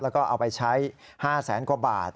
แล้วก็เอาไปใช้๕แสนกว่าบาท